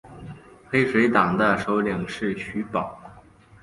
黑水党的首领是徐保。